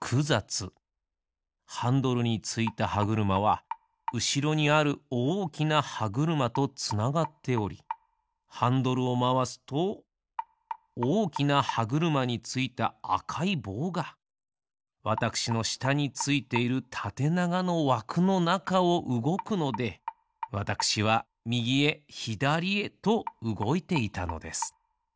ハンドルについたはぐるまはうしろにあるおおきなはぐるまとつながっておりハンドルをまわすとおおきなはぐるまについたあかいぼうがわたくしのしたについているたてながのわくのなかをうごくのでわたくしはみぎへひだりへとうごいていたのです。